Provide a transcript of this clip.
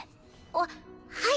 あっはい。